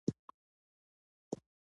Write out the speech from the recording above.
پړانګ تل تیار اوسي.